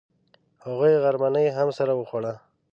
هغوی غرمنۍ هم سره وخوړه.